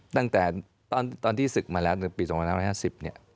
ตั้งแต่ตอนที่ศึกมาแล้วปี๒๐๕๐